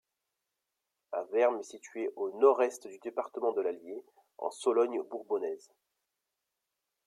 Avermes est située au nord-est du département de l'Allier, en Sologne bourbonnaise.